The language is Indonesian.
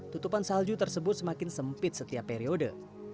tutupan salju tersebut semakin sempit setiap periode